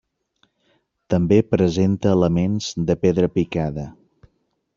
També presenta elements de pedra picada.